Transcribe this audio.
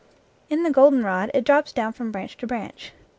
In the goldenrod it drops down from branch to branch.